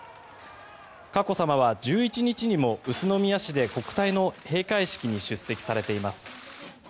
佳子さまは１１日にも宇都宮市で国体の閉会式に出席されています。